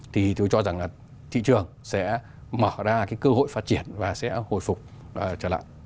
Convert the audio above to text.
thì tôi cho rằng là thị trường sẽ mở ra cái cơ hội phát triển và sẽ hồi phục trở lại